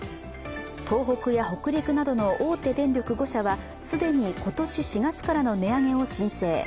東北や北陸などの大手電力５社は、既に今年４月からの値上げを申請。